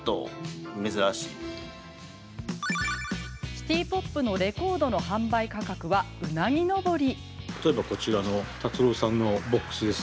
シティ・ポップのレコードの販売価格は、うなぎ上り。